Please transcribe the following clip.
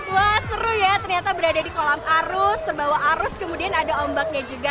wah seru ya ternyata berada di kolam arus terbawa arus kemudian ada ombaknya juga